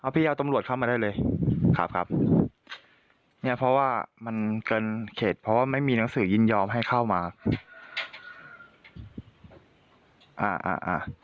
พี่เอาตำรวจเข้ามาได้เลยครับครับเนี่ยเพราะว่ามันเกินเขตเพราะว่าไม่มีหนังสือยินยอมให้เข้ามา